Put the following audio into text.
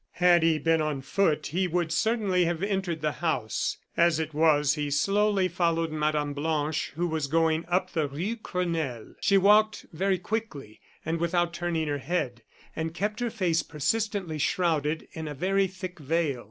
Had he been on foot he would certainly have entered the house; as it was, he slowly followed Mme. Blanche, who was going up the Rue Grenelle. She walked very quickly, and without turning her head, and kept her face persistently shrouded in a very thick veil.